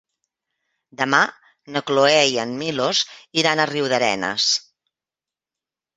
Demà na Cloè i en Milos iran a Riudarenes.